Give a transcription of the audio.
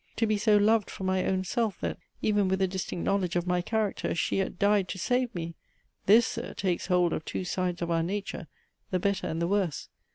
to be so loved for my own self, that even with a distinct knowledge of my character, she yet died to save me! this, sir, takes hold of two sides of our nature, the better and the worse.